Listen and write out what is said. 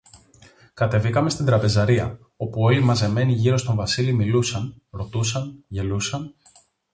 Κατεβήκαμε στην τραπεζαρία, όπου όλοι μαζεμένοι γύρω στον Βασίλη μιλούσαν, ρωτούσαν, γελούσαν